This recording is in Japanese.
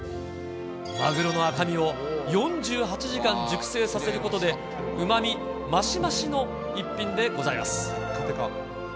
マグロの赤身を４８時間熟成させることで、うまみ増し増しの逸品でございます。